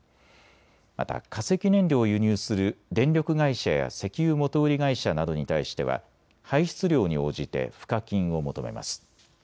また化石燃料輸入する電力会社や石油元売り会社などに対しては排出量に応じて賦課金を求めます。